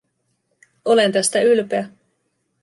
Olen tästä ylpeä.